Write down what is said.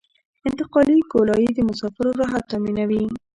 انتقالي ګولایي د مسافرو راحت تامینوي